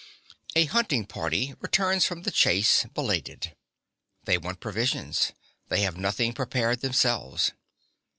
A hunting party returns from the chase, belated. They want provisions they have nothing prepared themselves.